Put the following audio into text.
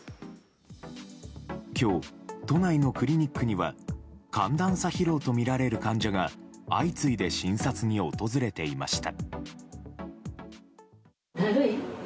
今日、都内のクリニックには寒暖差疲労とみられる患者が相次いで診察に訪れていました。